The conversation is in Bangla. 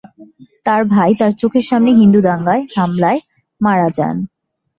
তার ভাই তার চোখের সামনে হিন্দু দাঙ্গায় হামলায় মারা যান।